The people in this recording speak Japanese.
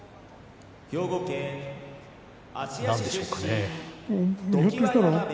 なんでしょうかね。